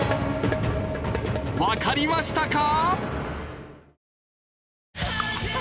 わかりましたか？